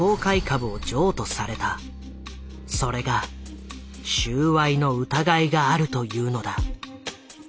それが収賄の疑いがあるというのだ。